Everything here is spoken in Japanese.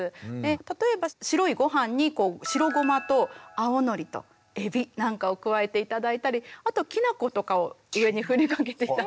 例えば白いごはんに白ごまと青のりとえびなんかを加えて頂いたりあときなことかを上にふりかけて頂いても。